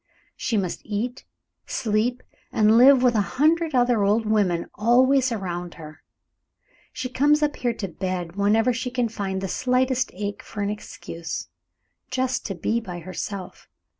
She must eat, sleep, and live with a hundred other old women always around her. She comes up here to bed whenever she can find the slightest ache for an excuse, just to be by herself.